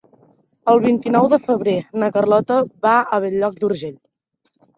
El vint-i-nou de febrer na Carlota va a Bell-lloc d'Urgell.